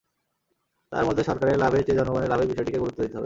তাঁর মতে, সরকারের লাভের চেয়ে জনগণের লাভের বিষয়টিকে গুরুত্ব দিতে হবে।